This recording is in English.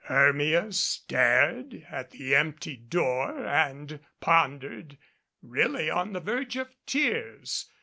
Hermia stared at the empty door and pondered really on the verge of tears.